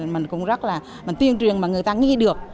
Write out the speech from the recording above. mình cũng rất là mình tuyên truyền mà người ta nghĩ được